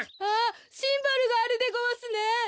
あっシンバルがあるでごわすね。